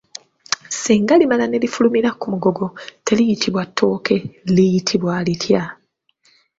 Singa limala ne lifulumira ku mugogo teriyitibwa ttooke, liyitibwa litya?